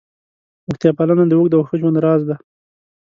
روغتیا پالنه د اوږد او ښه ژوند راز دی.